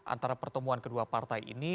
antara pertemuan kedua partai ini